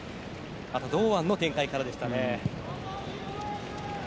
堂安の展開からでした。